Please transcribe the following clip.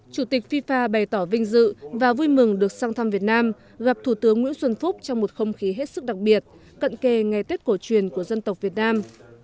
chủ tịch fifa bày tỏ vinh dự và vui mừng được sang thăm việt nam gặp thủ tướng nguyễn xuân phúc trong một không khí hết sức đặc biệt cận kề ngày tết cổ truyền của dân tộc việt nam